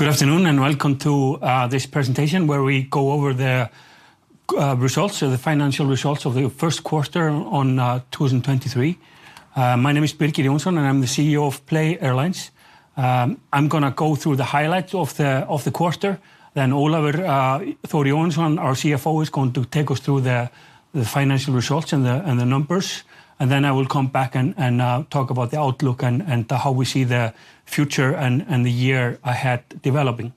Good afternoon, welcome to this presentation, where we go over the results, so the financial results of the first quarter on 2023. My name is Birgir Jónsson, and I'm the CEO of PLAY. I'm gonna go through the highlights of the quarter. Ólafur Þór Jóhannesson, our CFO, is going to take us through the financial results and the numbers, and then I will come back and talk about the outlook and how we see the future and the year ahead developing.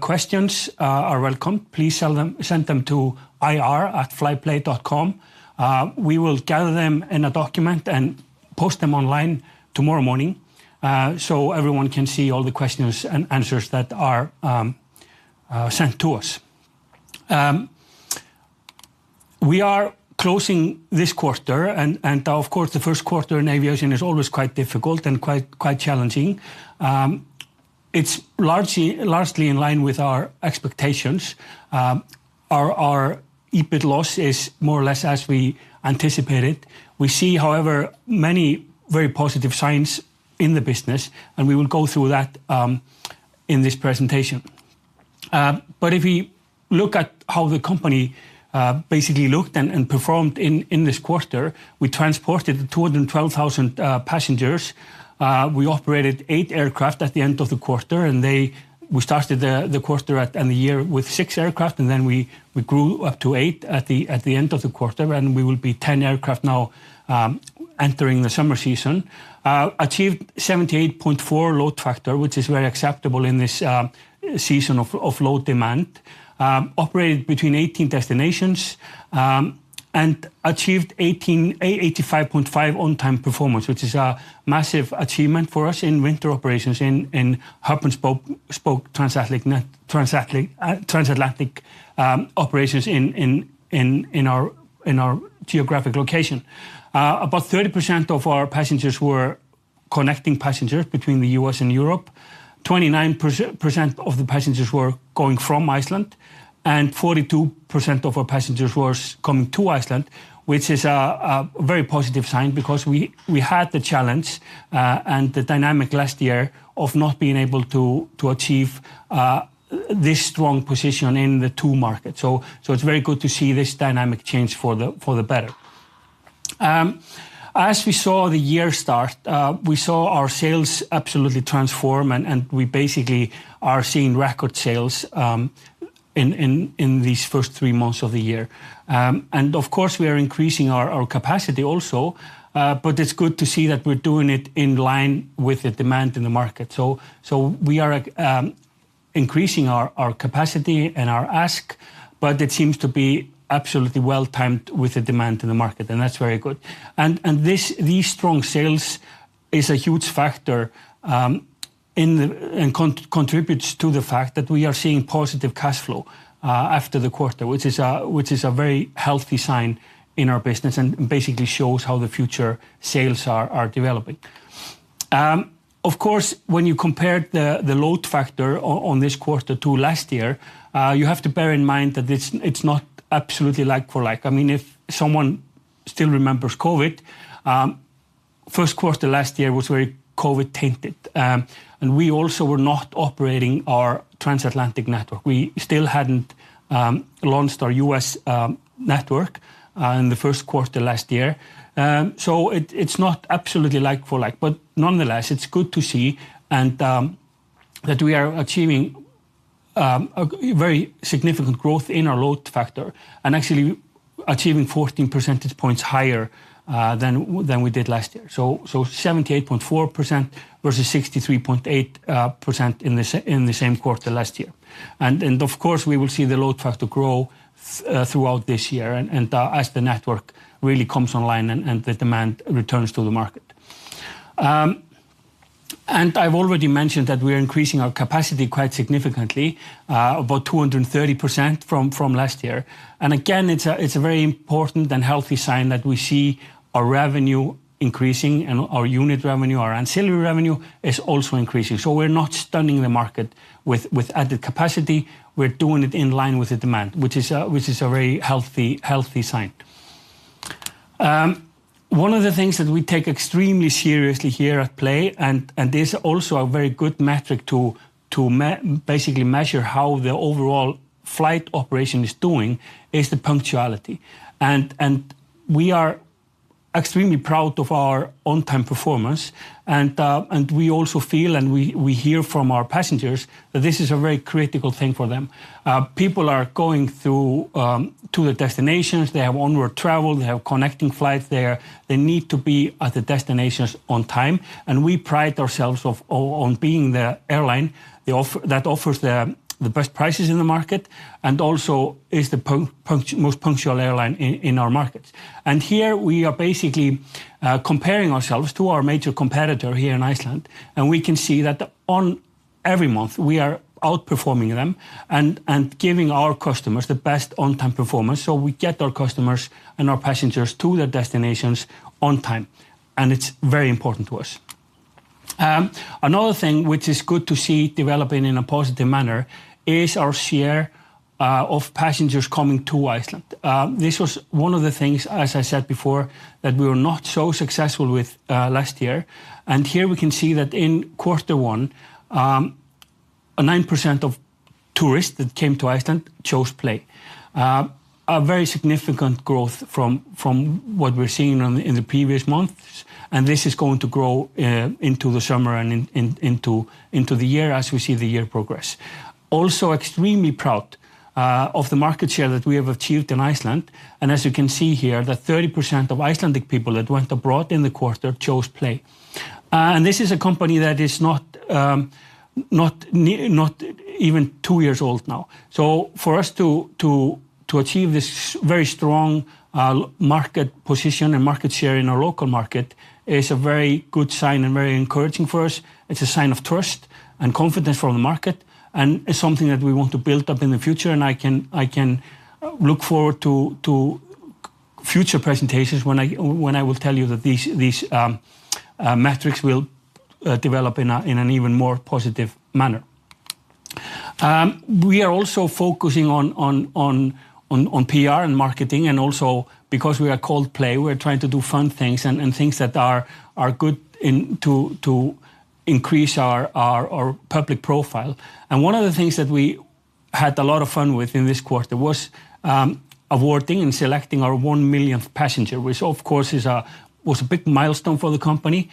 Questions are welcome. Please send them to ir@flyplay.com. We will gather them in a document and post them online tomorrow morning, so everyone can see all the questions and answers that are sent to us. We are closing this quarter, and of course, the first quarter in aviation is always quite difficult and quite challenging. It's largely in line with our expectations. Our EBIT loss is more or less as we anticipated. We see, however, many very positive signs in the business, and we will go through that in this presentation. But if we look at how the company basically looked and performed in this quarter, we transported 212,000 passengers. We operated eight aircraft at the end of the quarter. We started the quarter and the year with six aircraft, and then we grew up to eight at the end of the quarter, and we will be 10 aircraft now entering the summer season. Achieved 78.4% load factor, which is very acceptable in this season of load demand. Operated between 18 destinations and achieved 85.5% on-time performance, which is a massive achievement for us in winter operations in hub-and-spoke, spoke-transatlantic, transatlantic operations in our geographic location. About 30% of our passengers were connecting passengers between the U.S. and Europe. 29% of the passengers were going from Iceland, and 42% of our passengers was coming to Iceland, which is a very positive sign because we had the challenge and the dynamic last year of not being able to achieve this strong position in the two markets. It's very good to see this dynamic change for the better. As we saw the year start, we saw our sales absolutely transform, and we basically are seeing record sales in these first three months of the year. Of course, we are increasing our capacity also, but it's good to see that we're doing it in line with the demand in the market. We are increasing our capacity and our CASK, but it seems to be absolutely well timed with the demand in the market, and that's very good. This, these strong sales is a huge factor and contributes to the fact that we are seeing positive cash flow after the quarter, which is a very healthy sign in our business and basically shows how the future sales are developing. Of course, when you compare the load factor on this quarter to last year, you have to bear in mind that it's not absolutely like for like. I mean, if someone still remembers COVID, first quarter last year was very COVID-tainted. We also were not operating our transatlantic network. We still hadn't launched our U.S. network in the first quarter last year. It's not absolutely like for like. Nonetheless, it's good to see that we are achieving a very significant growth in our load factor and actually achieving 14 percentage points higher than we did last year. 78.4% versus 63.8% in the same quarter last year. Of course, we will see the load factor grow throughout this year as the network really comes online and the demand returns to the market. I've already mentioned that we're increasing our capacity quite significantly about 230% from last year. Again, it's a very important and healthy sign that we see our revenue increasing and our unit revenue, our ancillary revenue is also increasing. We're not stunning the market with added capacity. We're doing it in line with the demand, which is a very healthy sign. One of the things that we take extremely seriously here at PLAY, and this is also a very good metric to basically measure how the overall flight operation is doing, is the punctuality. We are extremely proud of our on-time performance and we also feel, and we hear from our passengers that this is a very critical thing for them. People are going through to the destinations. They have onward travel. They have connecting flights there. They need to be at the destinations on time, and we pride ourselves of on being the airline that offers the best prices in the market and also is the most punctual airline in our markets. Here we are basically comparing ourselves to our major competitor here in Iceland, and we can see that, on every month, we are outperforming them and giving our customers the best on-time performance. We get our customers and our passengers to their destinations on time, and it's very important to us. Another thing which is good to see developing in a positive manner is our share of passengers coming to Iceland. This was one of the things, as I said before, that we were not so successful with last year. Here we can see that in quarter one, 9% of tourists that came to Iceland chose PLAY. A very significant growth from what we're seeing in the previous months, this is going to grow into the summer and into the year as we see the year progress. Also extremely proud of the market share that we have achieved in Iceland, as you can see here, that 30% of Icelandic people that went abroad in the quarter chose PLAY. This is a company that is not even two years old now. For us to achieve this very strong market position and market share in our local market is a very good sign and very encouraging for us. It's a sign of trust and confidence from the market, it's something that we want to build up in the future, I can look forward to future presentations when I will tell you that these metrics will develop in an even more positive manner. We are also focusing on PR and marketing and also because we are called PLAY, we're trying to do fun things and things that are good to increase our public profile. One of the things that we had a lot of fun with in this quarter was awarding and selecting our one millionth passenger, which of course was a big milestone for the company.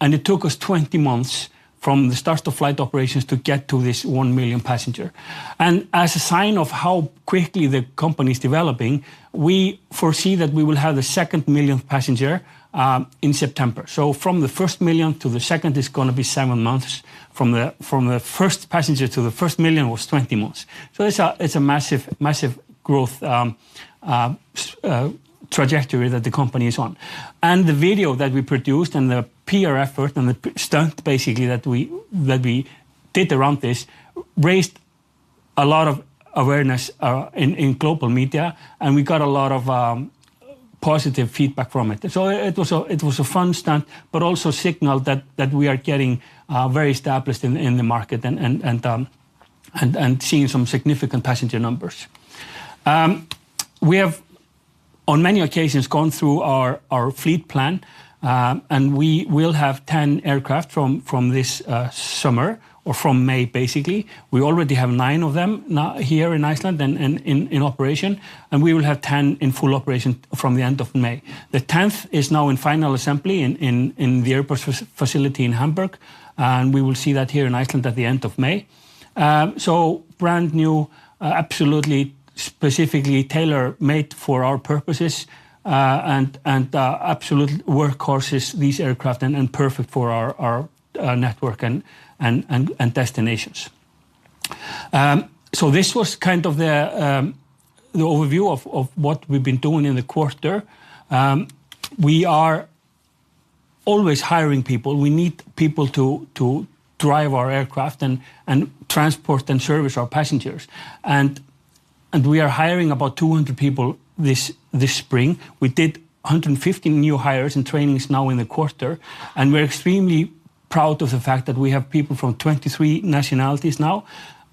It took us 20 months from the start of flight operations to get to this one millionth passenger. As a sign of how quickly the company is developing, we foresee that we will have the second millionth passenger in September. From the first million to the second is gonna be seven months. From the first passenger to the first million was 20 months. It's a massive growth trajectory that the company is on. The video that we produced and the PR effort and the stunt basically that we did around this raised a lot of awareness in global media, and we got a lot of positive feedback from it. It was a fun stunt, but also signaled that we are getting very established in the market and seeing some significant passenger numbers. We have on many occasions gone through our fleet plan, and we will have 10 aircraft from this summer or from May, basically. We already have 9 of them now here in Iceland and in operation, and we will have 10 in full operation from the end of May. The tenth is now in final assembly in the Airbus facility in Hamburg, and we will see that here in Iceland at the end of May. Brand new, absolutely, specifically tailor-made for our purposes, and absolute workhorses, these aircraft, and perfect for our network and destinations. This was kind of the overview of what we've been doing in the quarter. We are always hiring people. We need people to drive our aircraft and transport and service our passengers. We are hiring about 200 people this spring. We did 150 new hires and trainees now in the quarter. We're extremely proud of the fact that we have people from 23 nationalities now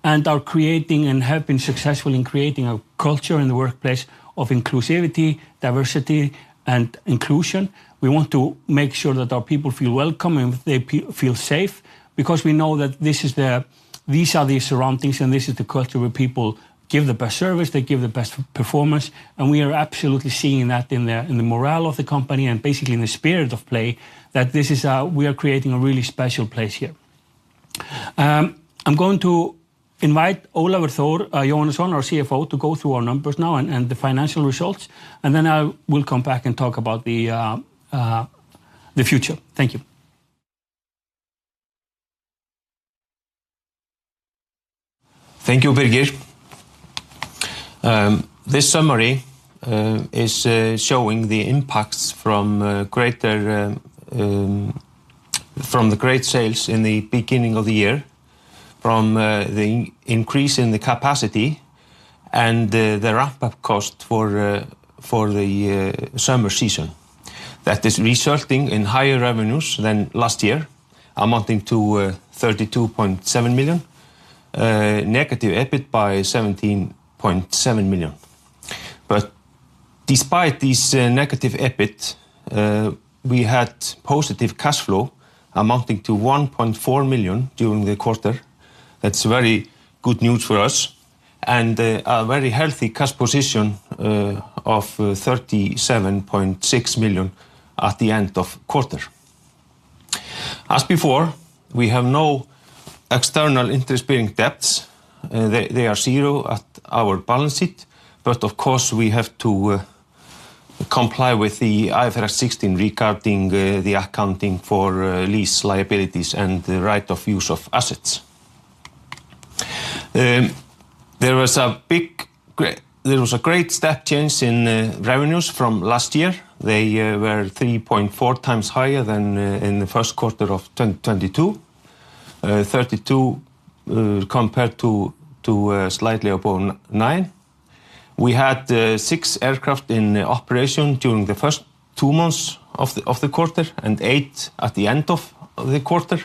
and are creating and have been successful in creating a culture in the workplace of inclusivity, diversity, and inclusion. We want to make sure that our people feel welcome and they feel safe because we know that these are the surroundings and this is the culture where people give the best service, they give the best performance. We are absolutely seeing that in the, in the morale of the company and basically in the spirit of PLAY, that we are creating a really special place here. I'm going to invite Ólafur Þór Jóhannesson, our CFO, to go through our numbers now and the financial results, and then I will come back and talk about the future. Thank you. Thank you, Birgir. This summary is showing the impacts from greater from the great sales in the beginning of the year, from the increase in the capacity, and the ramp-up cost for the summer season. That is resulting in higher revenues than last year, amounting to $32.7 million, negative EBIT by $17.7 million. Despite this negative EBIT, we had positive cash flow amounting to $1.4 million during the quarter. That's very good news for us, and a very healthy cash position of $37.6 million at the end of quarter. As before, we have no external interest-bearing debts. They are zero at our balance sheet. Of course, we have to comply with the IFRS 16 regarding the accounting for lease liabilities and the right-of-use assets. There was a great step change in revenues from last year. They were 3.4x higher than in the first quarter of 2022, 32, compared to slightly above nine. We had six aircraft in operation during the first two months of the quarter and eight at the end of the quarter.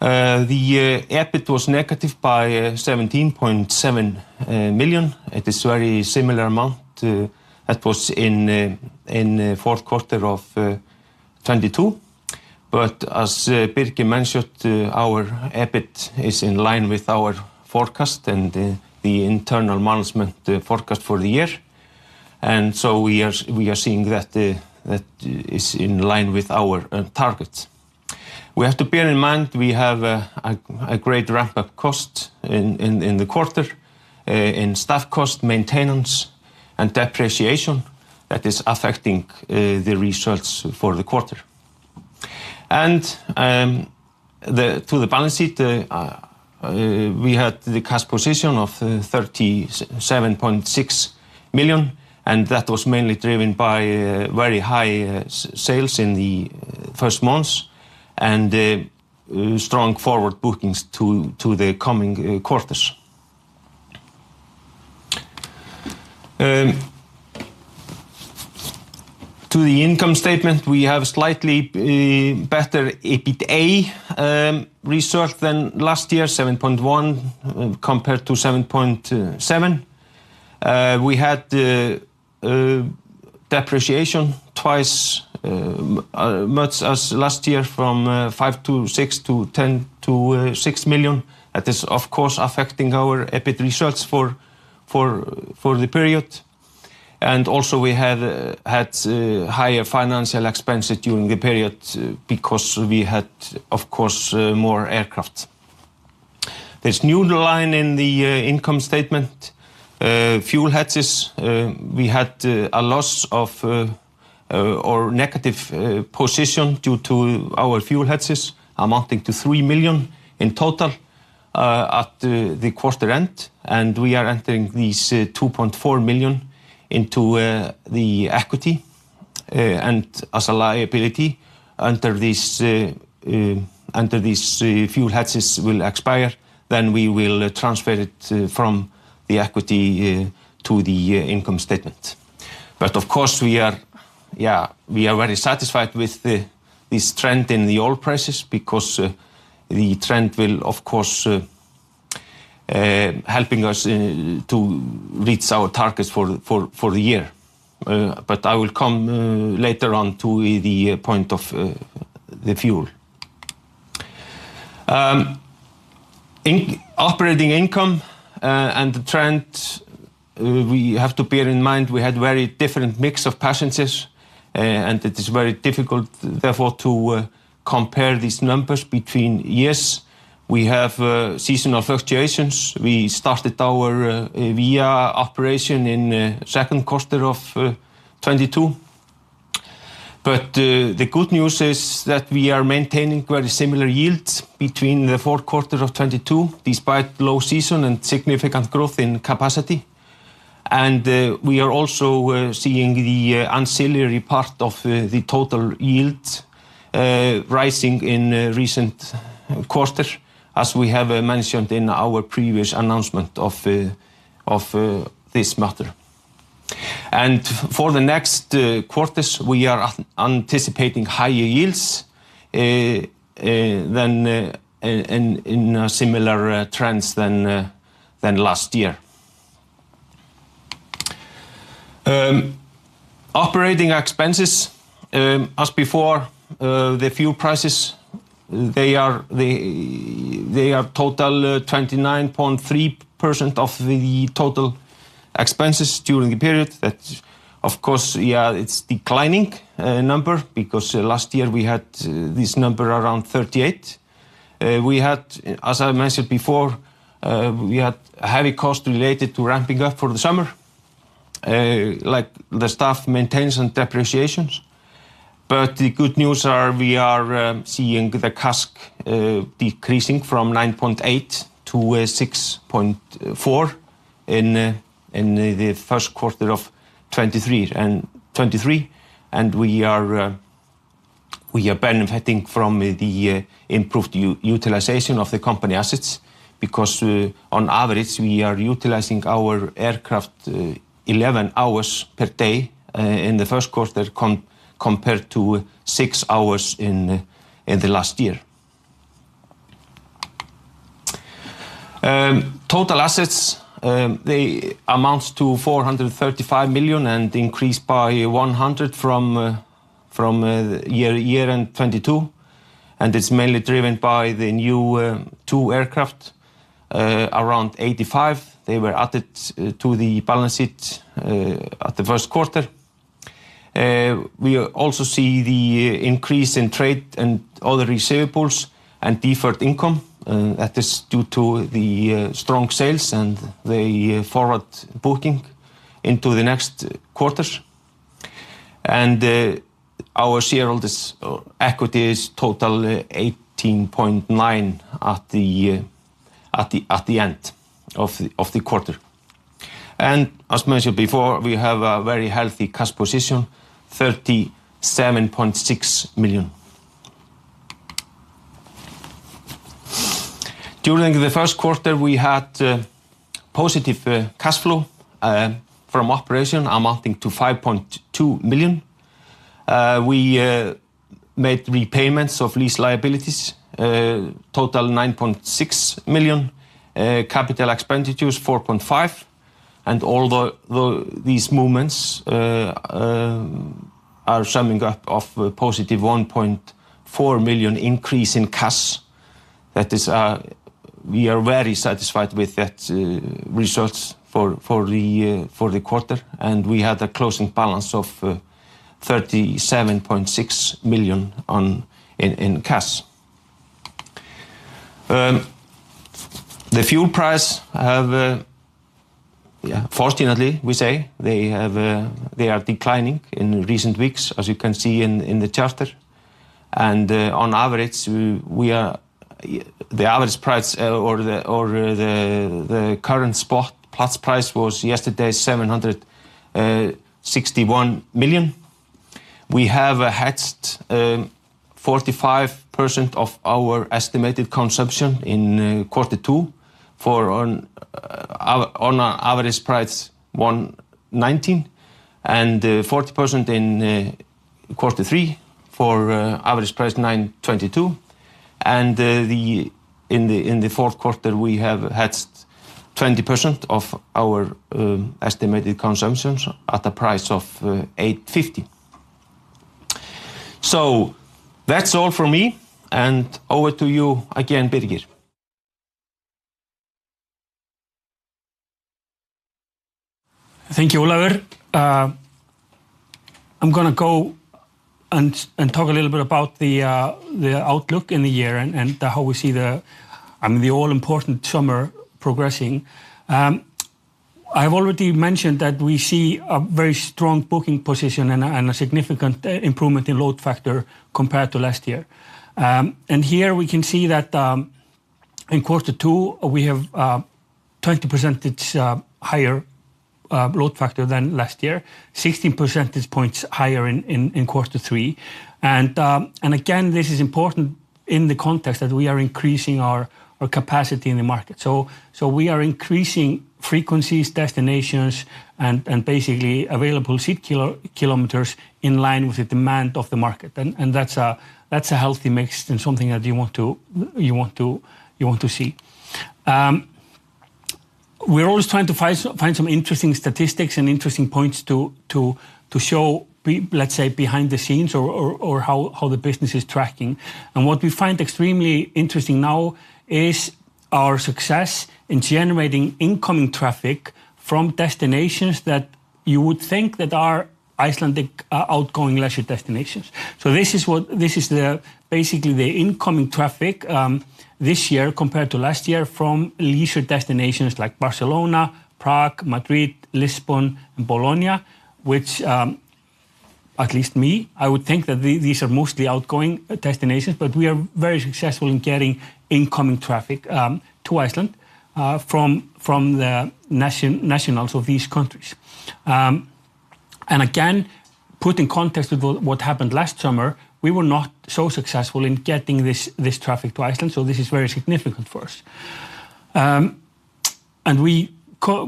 The EBIT was negative by $17.7 million. It is very similar amount to that was in the fourth quarter of 2022. As Birgir mentioned, our EBIT is in line with our forecast and the internal management forecast for the year. We are seeing that that is in line with our targets. We have to bear in mind we have a great ramp-up cost in the quarter, in staff cost, maintenance, and depreciation that is affecting the results for the quarter. To the balance sheet, we had the cash position of $37.6 million, and that was mainly driven by very high sales in the first months and strong forward bookings to the coming quarters. To the income statement, we have slightly better EBITDA result than last year, $7.1 compared to $7.7. We had depreciation twice much as last year from $5 million to $6 million to $10 million to $6 million. That is, of course, affecting our EBIT results for the period. Also, we had higher financial expenses during the period because we had, of course, more aircraft. This new line in the income statement, fuel hedges, we had a loss of or negative position due to our fuel hedges amounting to $3 million in total at the quarter end. We are entering these $2.4 million into the equity, and as a liability under these fuel hedges will expire, then we will transfer it from the equity to the income statement. Of course, we are, we are very satisfied with the, this trend in the oil prices because the trend will of course, helping us to reach our targets for the year. I will come later on to the point of the fuel. In operating income, and the trend, we have to bear in mind we had very different mix of passengers, and it is very difficult therefore to compare these numbers between years. We have seasonal fluctuations. We started our VIA operation in 2nd quarter of 2022. The good news is that we are maintaining very similar yields between the 4th quarter of 2022, despite low season and significant growth in capacity. We are also seeing the ancillary part of the total yield rising in recent quarter, as we have mentioned in our previous announcement of this matter. For the next quarters, we are anticipating higher yields than in similar trends than last year. Operating expenses, as before, the fuel prices, they are total 29.3% of the total expenses during the period. That's of course, yeah, it's declining number because last year we had this number around 38%. We had, as I mentioned before, we had heavy cost related to ramping up for the summer, like the staff maintains and depreciations. The good news are we are seeing the CASK decreasing from 9.8 to 6.4 in the first quarter of 2023. We are benefiting from the improved utilization of the company assets because on average, we are utilizing our aircraft 11 hours per day in the first quarter compared to 6 hours in the last year. Total assets they amounts to $435 million and increased by $100 from year end 2022. It's mainly driven by the new two aircraft, around $85 million. They were added to the balance sheet at the first quarter. We also see the increase in trade and other receivables and deferred income, that is due to the strong sales and the forward booking into the next quarters. Our shareholders' equity is total $18.9 at the end of the quarter. As mentioned before, we have a very healthy cash position, $37.6 million. During the first quarter, we had positive cash flow from operation amounting to $5.2 million. We made repayments of lease liabilities, total $9.6 million. Capital expenditures $4.5 million. All these moments are summing up of a positive $1.4 million increase in cash. That is, we are very satisfied with that results for the quarter. We had a closing balance of $37.6 million in cash. The fuel price have, fortunately, we say, they have, they are declining in recent weeks as you can see in the chart. On average, we are the average price or the current spot price was yesterday $761 million. We have hedged 45% of our estimated consumption in quarter two for on a average price $119, 40% in quarter three for average price $922. In the fourth quarter, we have hedged 20% of our estimated consumptions at a price of $850. That's all from me and over to you again, Birgir. Thank you, Ólafur. I'm gonna go and talk a little bit about the outlook in the year and how we see the all-important summer progressing. I've already mentioned that we see a very strong booking position and a significant improvement in load factor compared to last year. Here we can see that in quarter two, we have 20% higher load factor than last year, 16 percentage points higher in quarter three. Again, this is important in the context that we are increasing our capacity in the market. We are increasing frequencies, destinations, and basically available seat kilometers in line with the demand of the market. That's a healthy mix and something that you want to see. We're always trying to find some interesting statistics and interesting points to show, let's say, behind the scenes or how the business is tracking. What we find extremely interesting now is our success in generating incoming traffic from destinations that you would think that are Icelandic outgoing leisure destinations. This is basically the incoming traffic this year compared to last year from leisure destinations like Barcelona, Prague, Madrid, Lisbon, and Bologna, which, at least me, I would think that these are mostly outgoing destinations, but we are very successful in getting incoming traffic to Iceland from the nationals of these countries. Again, put in context with what happened last summer, we were not so successful in getting this traffic to Iceland, so this is very significant for us.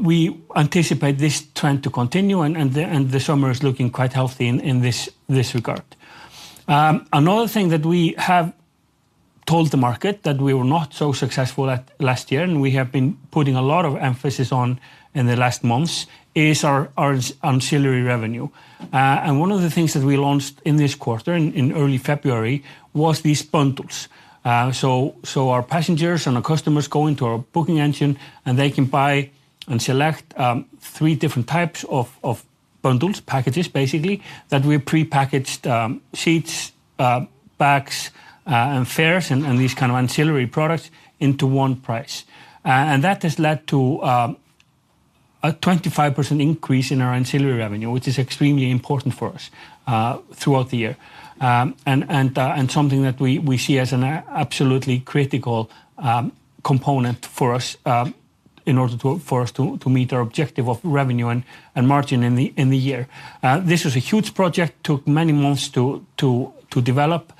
We anticipate this trend to continue and the summer is looking quite healthy in this regard. Another thing that we have told the market that we were not so successful at last year and we have been putting a lot of emphasis on in the last months is our ancillary revenue. One of the things that we launched in this quarter, in early February, was these bundles. Our passengers and our customers go into our booking engine. They can buy and select three different types of bundles, packages basically, that we prepackaged seats, bags, and fares and these kind of ancillary products into one price. That has led to a 25% increase in our ancillary revenue, which is extremely important for us throughout the year, and something that we see as an absolutely critical component for us in order to for us to meet our objective of revenue and margin in the year. This was a huge project, took many months to develop.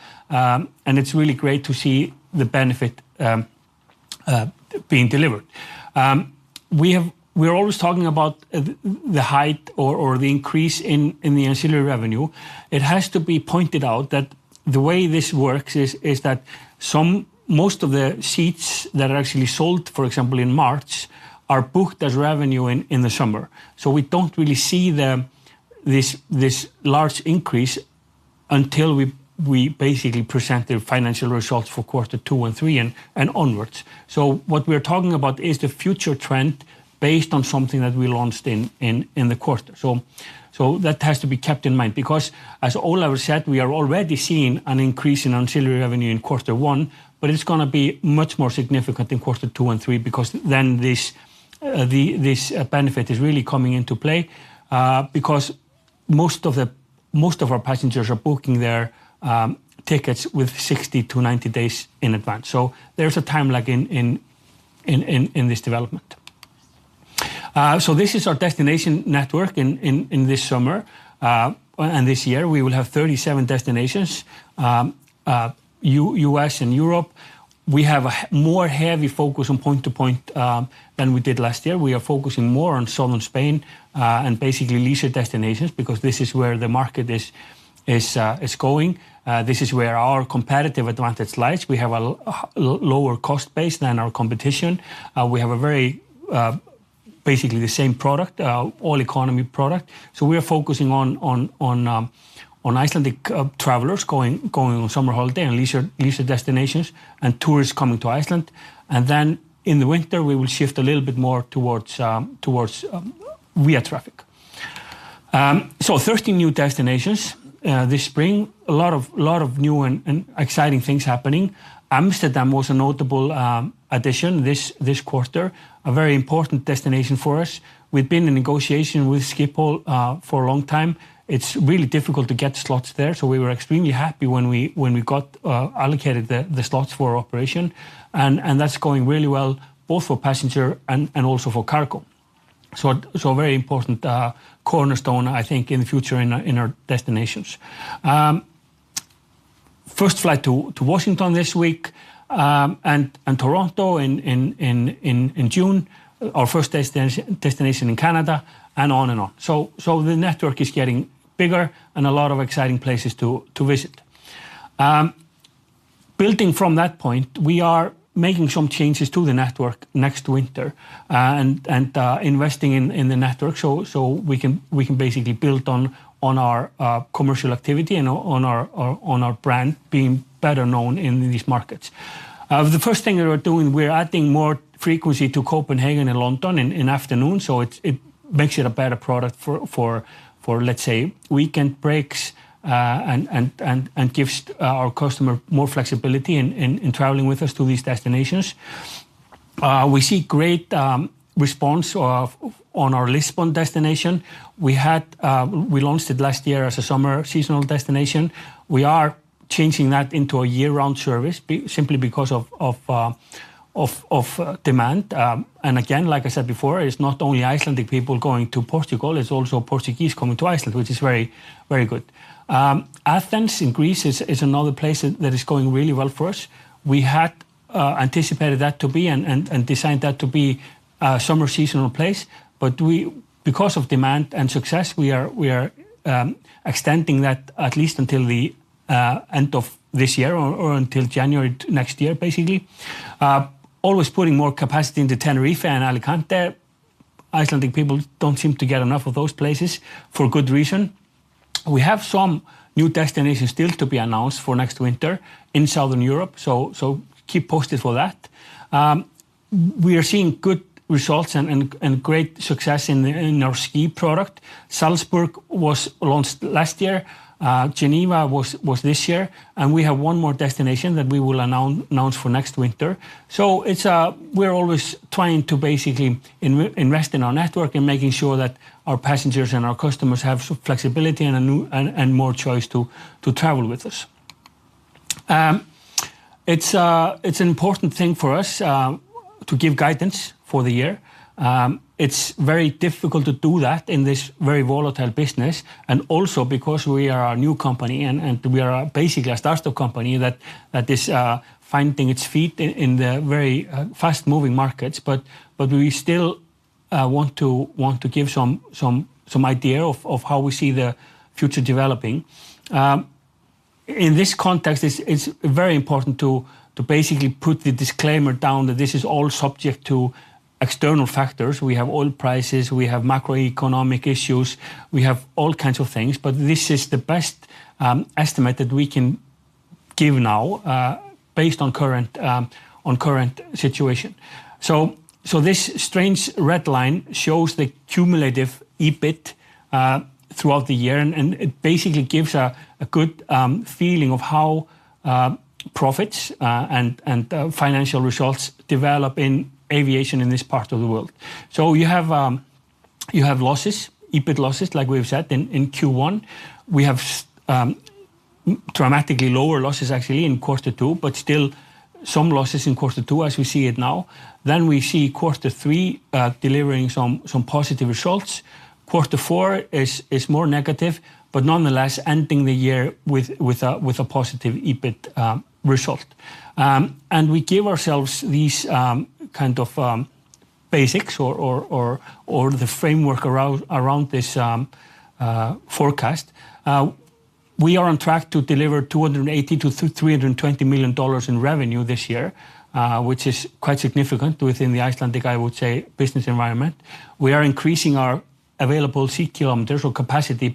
It's really great to see the benefit being delivered. We're always talking about the height or the increase in the ancillary revenue. It has to be pointed out that the way this works is that most of the seats that are actually sold, for example, in March, are booked as revenue in the summer. We don't really see the, this large increase until we basically present the financial results for quarter two and three and onwards. What we're talking about is the future trend based on something that we launched in, in the quarter. That has to be kept in mind. As Ólafur said, we are already seeing an increase in ancillary revenue in quarter one, but it's gonna be much more significant in quarter two and three because then this benefit is really coming into play, because most of our passengers are booking their tickets with 60 to 90 days in advance. There's a time lag in this development. This is our destination network in this summer, and this year, we will have 37 destinations, U.S. and Europe. We have a more heavy focus on point-to-point than we did last year. We are focusing more on southern Spain, and basically leisure destinations because this is where the market is going. This is where our competitive advantage lies. We have a lower cost base than our competition. We have a very, basically the same product, all economy product. We are focusing on Icelandic travelers on summer holiday and leisure destinations and tourists coming to Iceland. In the winter, we will shift a little bit more towards VIA traffic. 13 new destinations this spring, a lot of new and exciting things happening. Amsterdam was a notable addition this quarter, a very important destination for us. We've been in negotiation with Schiphol for a long time. It's really difficult to get slots there, we were extremely happy when we got allocated the slots for operation. That's going really well both for passenger and also for cargo. So a very important cornerstone, I think, in the future in our destinations. First flight to Washington this week, and Toronto in June, our first destination in Canada, and on and on. So the network is getting bigger and a lot of exciting places to visit. Building from that point, we are making some changes to the network next winter, and investing in the network so we can basically build on our commercial activity and on our brand being better known in these markets. The first thing we are doing, we're adding more frequency to Copenhagen and London in afternoon, so it makes it a better product for, let's say, weekend breaks, and gives our customer more flexibility in traveling with us to these destinations. We see great response on our Lisbon destination. We launched it last year as a summer seasonal destination. We are changing that into a year-round service simply because of demand. Again, like I said before, it's not only Icelandic people going to Portugal, it's also Portuguese coming to Iceland, which is very good. Athens in Greece is another place that is going really well for us. We had anticipated that to be and designed that to be a summer seasonal place. We, because of demand and success, we are extending that at least until the end of this year or until January next year, basically. Always putting more capacity into Tenerife and Alicante. Icelandic people don't seem to get enough of those places, for good reason. We have some new destinations still to be announced for next winter in Southern Europe. Keep posted for that. We are seeing good results and great success in our ski product. Salzburg was launched last year. Geneva was this year. We have one more destination that we will announce for next winter. It's, we're always trying to basically invest in our network and making sure that our passengers and our customers have some flexibility and a new and more choice to travel with us. It's an important thing for us to give guidance for the year. It's very difficult to do that in this very volatile business and also because we are a new company and we are basically a startup company that is finding its feet in the very fast-moving markets. We still want to give some idea of how we see the future developing. In this context, it's very important to basically put the disclaimer down that this is all subject to external factors. We have oil prices, we have macroeconomic issues, we have all kinds of things. This is the best estimate that we can give now, based on current situation. This strange red line shows the cumulative EBIT throughout the year, it basically gives a good feeling of how profits and financial results develop in aviation in this part of the world. You have losses, EBIT losses, like we've said in Q1. We have dramatically lower losses actually in quarter two, but still some losses in quarter two as we see it now. We see quarter three delivering some positive results. Quarter four is more negative, but nonetheless ending the year with a positive EBIT result. We give ourselves these kind of basics or the framework around this forecast. We are on track to deliver $280 million-$320 million in revenue this year, which is quite significant within the Icelandic, I would say, business environment. We are increasing our available seat kilometers or capacity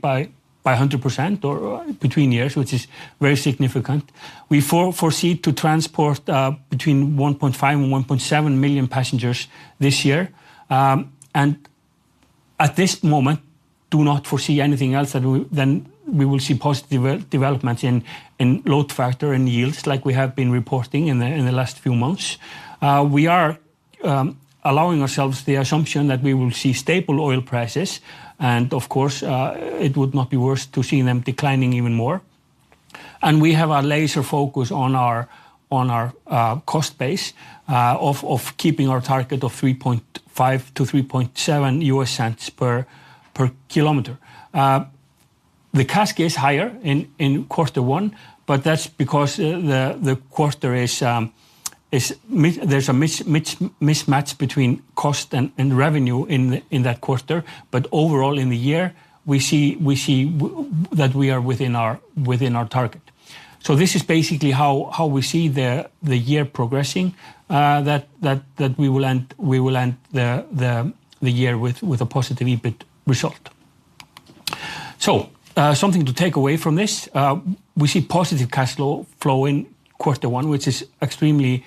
by 100% or between years, which is very significant. We foresee to transport between 1.5 million and 1.7 million passengers this year. At this moment, do not foresee anything else than we will see positive development in load factor and yields like we have been reporting in the last few months. We are allowing ourselves the assumption that we will see stable oil prices and of course, it would not be worse to see them declining even more. We have our laser focus on our cost base of keeping our target of $0.035-$0.037 per kilometer. The CASK gets higher in quarter one, but that's because the quarter, there's a mismatch between cost and revenue in that quarter, but overall in the year we see that we are within our target. This is basically how we see the year progressing that we will end the year with a positive EBIT result. Something to take away from this, we see positive cash flow in quarter one, which is extremely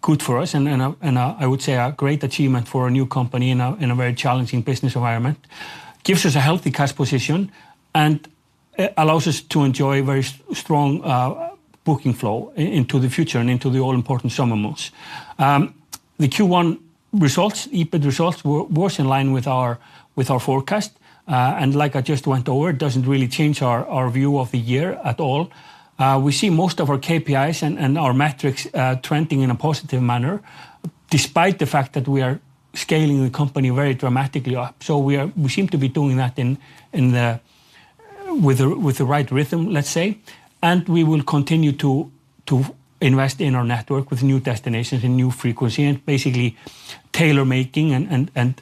good for us and I would say a great achievement for a new company in a very challenging business environment. Gives us a healthy cash position, and allows us to enjoy very strong booking flow into the future and into the all-important summer months. The Q1 results, EBIT results, were worse in line with our forecast, and like I just went over, it doesn't really change our view of the year at all. We see most of our KPIs and our metrics trending in a positive manner despite the fact that we are scaling the company very dramatically up. We seem to be doing that with the right rhythm, let's say, and we will continue to invest in our network with new destinations and new frequency and basically tailor making and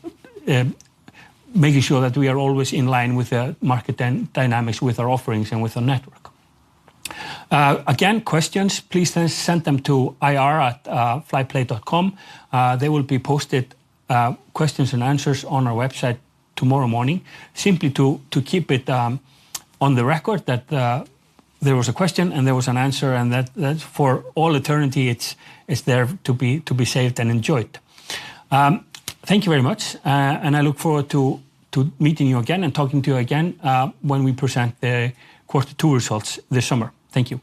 making sure that we are always in line with the market dynamics, with our offerings and with our network. Again, questions, please send them to ir@flyplay.com. They will be posted, questions and answers on our website tomorrow morning simply to keep it on the record that there was a question and there was an answer and that for all eternity, it's there to be saved and enjoyed. Thank you very much. I look forward to meeting you again and talking to you again when we present the quarter two results this summer. Thank you.